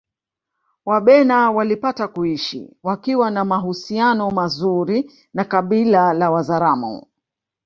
Wabena walipata kuishi wakiwa na mahusiano mazuri na kabila la Wazaramo